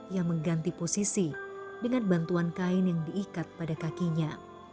ia mengganti posisi dengan bantuan kain yang diikat pada kakinya